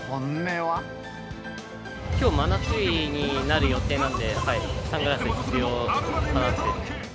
きょう、真夏日になる予定なんで、サングラス必要かなと。